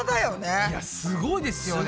いやすごいですよね。